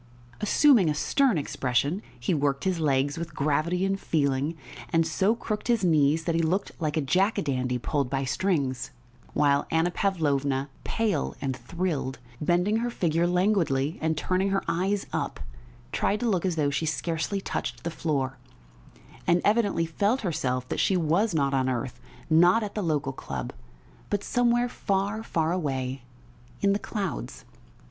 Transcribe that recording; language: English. Assuming a stern expression, he worked his legs with gravity and feeling, and so crooked his knees that he looked like a jack a dandy pulled by strings, while Anna Pavlovna, pale and thrilled, bending her figure languidly and turning her eyes up, tried to look as though she scarcely touched the floor, and evidently felt herself that she was not on earth, not at the local club, but somewhere far, far away in the clouds.